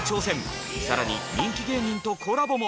更に人気芸人とコラボも。